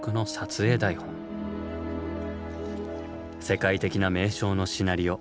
世界的な名匠のシナリオ